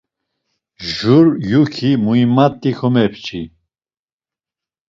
Jur yuki muimat̆i komepçi.